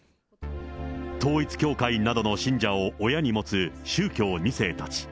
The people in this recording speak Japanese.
統一教会などの信者を親に持つ宗教２世たち。